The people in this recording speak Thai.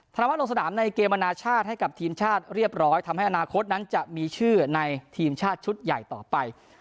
นวัฒนลงสนามในเกมอนาชาติให้กับทีมชาติเรียบร้อยทำให้อนาคตนั้นจะมีชื่อในทีมชาติชุดใหญ่ต่อไป